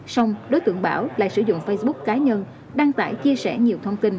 xong đối tượng bảo lại sử dụng facebook cá nhân đăng tải chia sẻ nhiều thông tin